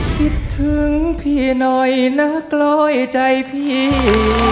คิดถึงพี่หน่อยนักร้อยใจพี่